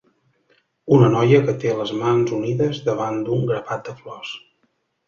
Una noia que té les mans unides davant d'un grapat de flors.